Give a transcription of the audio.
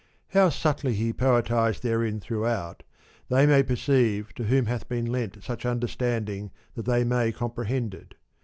How subtly he poetised therein throughout, they may perceive to whom hath been lent such understanding that they may compre hend it.